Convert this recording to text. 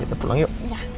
kita pulang yuk